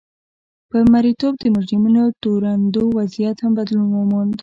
پر مریتوب د مجرمینو تورنېدو وضعیت هم بدلون وموند.